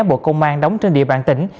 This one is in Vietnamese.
bộ công an đóng trên địa bàn tỉnh